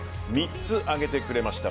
３つ挙げてくれました。